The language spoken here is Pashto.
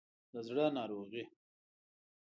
د زړه ناروغي